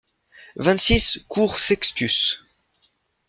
vingt-cinq cours Sextius